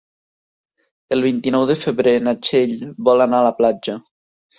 El vint-i-nou de febrer na Txell vol anar a la platja.